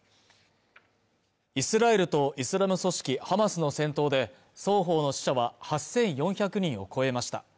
イスラエルとイスラム組織ハマスの戦闘で双方の死者は８４００人を超えました